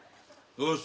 よし。